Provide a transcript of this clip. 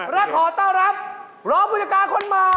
และขอต้อนรับรองผู้จัดการคนใหม่